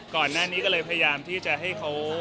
ก่อนหน้านี้ก็เลยพยายามที่จะให้เขา